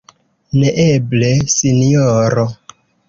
Neeble, Sinjoro!